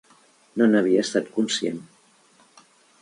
No n'havia estat conscient.